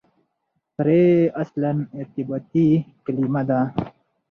پرې اصلاً ارتباطي کلیمه ده.